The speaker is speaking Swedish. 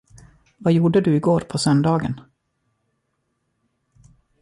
Vad gjorde du i går på söndagen?